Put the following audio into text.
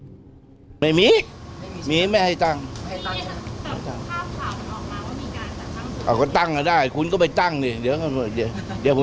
ก็ไม่ได้ไม่ให้ตั้งไม่ให้ตั้งไม่ให้ตั้งหมดน่ะพอแล้วพอแล้วพอแล้วจบไม่เอา